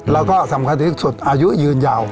แล้วก็สำคัญที่สุดอายุยืนยาว